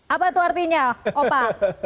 apa itu artinya opa